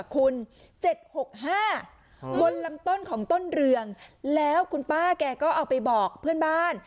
คุณ๗๖๕บนลำต้นของต้นเรืองแล้วคุณป้าแกก็เอาไปบอกเพื่อนบ้าน